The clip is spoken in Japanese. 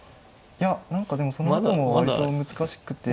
いや何かでもそのあとも割と難しくて。